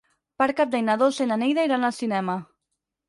Per Cap d'Any na Dolça i na Neida iran al cinema.